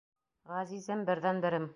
Ғәзизем, берҙән-берем...